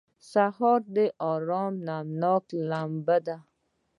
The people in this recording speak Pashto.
سهار د آرامۍ نمجنه لمبه ده.